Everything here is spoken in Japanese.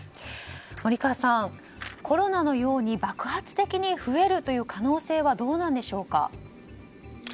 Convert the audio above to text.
森川さん、コロナのように爆発的に増えるという可能性はどうなんでしょうか。